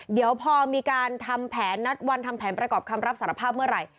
เดี๋ยวพอมีการทำแผนนัดวันทำแผนประกอบคำรับสารภาพเมื่อไหร่